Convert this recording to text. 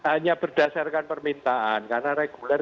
hanya berdasarkan permintaan karena reguler